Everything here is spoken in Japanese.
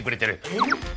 えっ？